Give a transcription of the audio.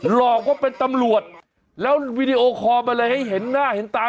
หลอกว่าเป็นตำรวจแล้ววีดีโอคอลมาเลยให้เห็นหน้าเห็นตา